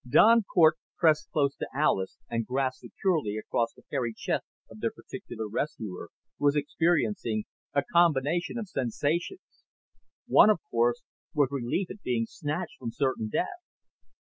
Don Cort, pressed close to Alis and grasped securely against the hairy chest of their particular rescuer, was experiencing a combination of sensations. One, of course, was relief at being snatched from certain death.